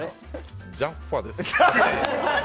ジャッファです。